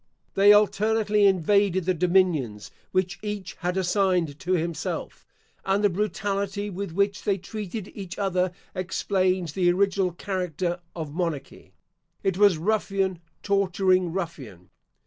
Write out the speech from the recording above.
They alternately invaded the dominions which each had assigned to himself, and the brutality with which they treated each other explains the original character of monarchy. It was ruffian torturing ruffian.